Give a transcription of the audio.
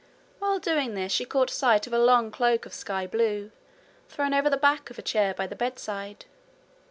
While doing this she caught sight of a long cloak of sky blue, thrown over the back of a chair by the bedside.